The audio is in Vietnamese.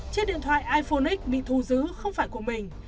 chiếc điện thoại iphone x bị thu giữ không phải của mình